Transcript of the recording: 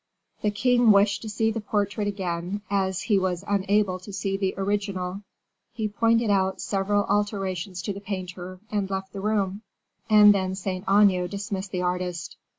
The king wished to see the portrait again, as he was unable to see the original. He pointed out several alterations to the painter and left the room, and then Saint Aignan dismissed the artist.